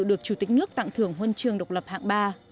được chủ tịch nước tặng thưởng huân chương độc lập hạng ba